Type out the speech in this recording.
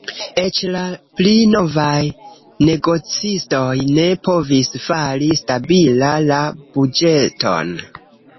Eĉ la pli novaj negocistoj ne povis fari stabila la buĝeton.